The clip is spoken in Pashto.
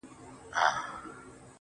زما په ژوند کي د وختونو د بلا ياري ده.